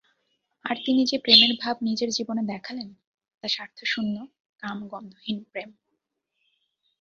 আর তিনি যে-প্রেমের ভাব নিজের জীবনে দেখালেন, তা স্বার্থশূন্য কামগন্ধহীন প্রেম।